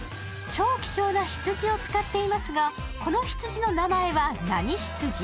超希少な羊を使っていますがこの羊の名前は何羊？